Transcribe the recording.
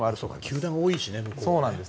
球団が多いしね向こうは。